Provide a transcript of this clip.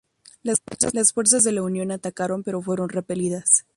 Las fuerzas de la Unión atacaron pero fueron repelidas.